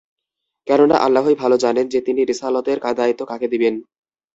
কেননা আল্লাহই ভাল জানেন যে, তিনি রিসালতের দায়িত্ব কাকে দিবেন।